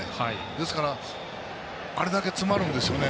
ですからあれだけ詰まるんですよね。